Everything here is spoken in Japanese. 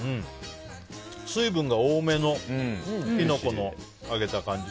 水分が多めのキノコ揚げた感じ。